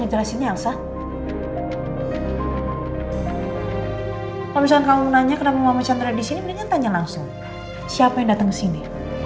kalau misalnya kamu nanya kenapa mama chandra di sini mendingan tanya langsung siapa yang datang ke sini